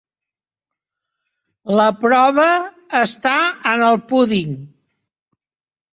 La prova està en el púding.